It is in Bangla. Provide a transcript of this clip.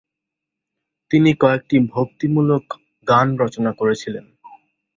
তিনি কয়েকটি ভক্তিমূলক গান রচনা করেছিলেন।